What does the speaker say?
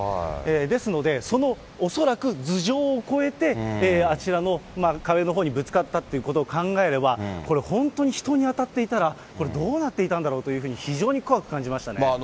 ですので、その恐らく頭上を越えて、あちらの壁のほうにぶつかったということを考えれば、これ、本当に人に当たっていたら、どうなっていたんだろうというふうに非常に怖く感じましたね。